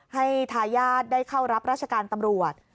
ทายาทได้เข้ารับราชการตำรวจ